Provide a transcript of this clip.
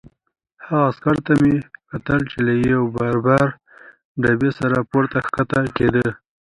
هغه عسکر ته مې کتل چې له یوې باربرې ډبې سره پورته کښته کېده.